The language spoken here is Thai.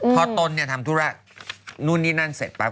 พอต้นทำธุระนู่นนี่นั่นเสร็จปั๊บ